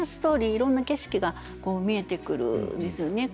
いろんな景色が見えてくるんですよね。